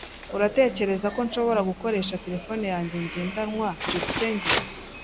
Uratekereza ko nshobora gukoresha terefone yanjye ngendanwa? byukusenge